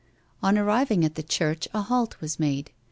On arriving at the church a halt was made.